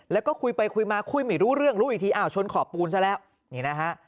แล้วก็คุยไปคุยมาคุยไม่รู้เรื่องรู้อีกทีอ้าวชนขอบปูนซะแล้วนี่นะฮะ